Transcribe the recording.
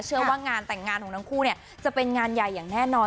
เชื่อว่างานแต่งงานของทั้งคู่จะเป็นงานใหญ่อย่างแน่นอน